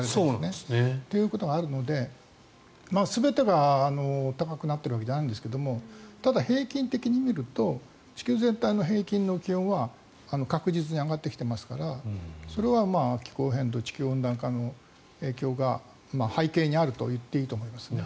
そういうことがあるので全てが高くなってるわけではないんですがただ、平均的に見ると地球全体の平均の気温は確実に上がってきていますからそれは気候変動、地球温暖化の影響が背景にあるといっていいと思いますね。